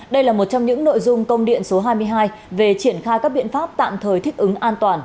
đây là một trong những nội dung công điện số hai mươi hai về triển khai các biện pháp tạm thời thích ứng an toàn